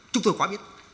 chúng tôi quá biết